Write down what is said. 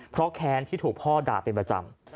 เพราะแค้นที่ถูกพ่อด่าเป็นประจำ